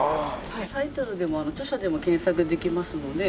タイトルでも著者でも検索できますので。